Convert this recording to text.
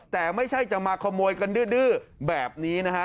แต่ไม่ใช่จะมาขโมยกันดื้อแบบนี้นะฮะ